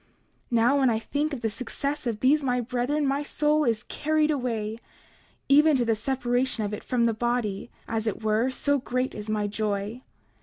29:16 Now, when I think of the success of these my brethren my soul is carried away, even to the separation of it from the body, as it were, so great is my joy.